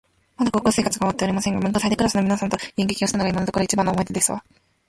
まだ高校生活が終わっておりませんが、文化祭でクラスの皆様と演劇をしたのが今のところ一番の思い出ですわ